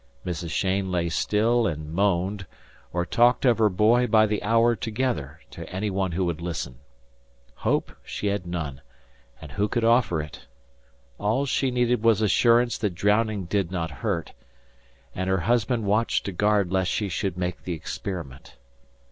Mrs. Cheyne lay still and moaned, or talked of her boy by the hour together to any one who would listen. Hope she had none, and who could offer it? All she needed was assurance that drowning did not hurt; and her husband watched to guard lest she should make the experiment.